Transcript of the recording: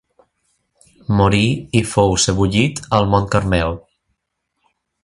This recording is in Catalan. Morí i fou sebollit al Mont Carmel.